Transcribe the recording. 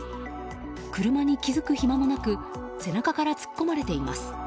車に気づく暇もなく背中から突っ込まれています。